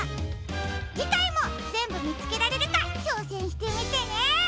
じかいもぜんぶみつけられるかちょうせんしてみてね！